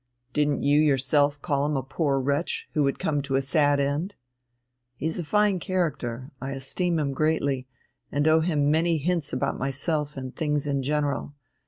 "Didn't you yourself call him a poor wretch, who would come to a sad end? He's a fine character; I esteem him greatly, and owe him many hints about myself and things in general.